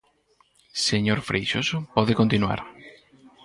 Señor Freixoso, pode continuar.